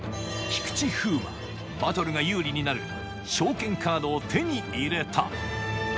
菊池風磨バトルが有利になる長剣カードを手に入れた